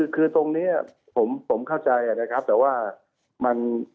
คือตรงนี้ผมเข้าใจนะครับแต่ว่ามัน